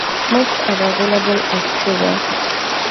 Most are available as freeware.